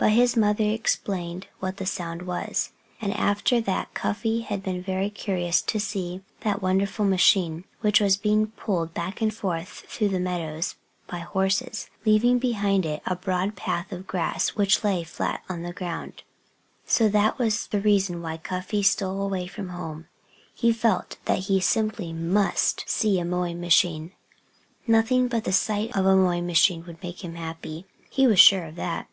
But his mother explained what the sound was. And after that Cuffy had been very curious to see that wonderful machine, which was pulled back and forth through the meadows by horses, leaving behind it a broad path of grass which lay flat on the ground. So that was the reason why Cuffy stole away from home. He felt that he simply must see a mowing machine. Nothing but the sight of a mowing machine would make him happy. He was sure of that.